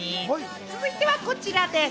続いてはこちらです。